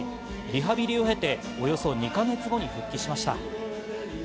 リハビリを経て、およそ２か月後に復帰しました。